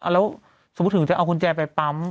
แล้วสมมุติถึงจะเอากุญแจไปปั๊ม